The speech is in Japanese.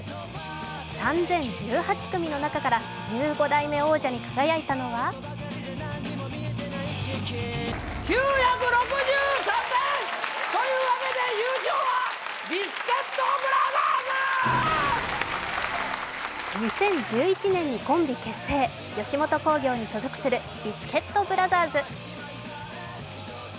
３０１８組の中から１５代目王者に輝いたのは２０１１年にコンビ結成、吉本興業に所属するビスケットブラザーズ。